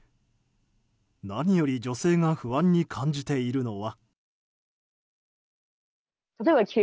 何より女性が不安に感じているのは。